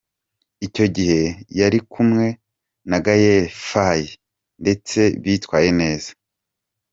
Icyo gihe yari kumwe na Gaël Faye ndetse bitwaye neza.